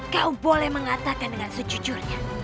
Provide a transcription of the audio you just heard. kau boleh mengatakan dengan sejujurnya